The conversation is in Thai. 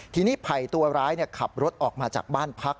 ทีนี้ไผ่ตัวร้ายขับรถออกมาจากบ้านพัก